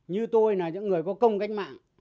như tôi là những người có công cách mạng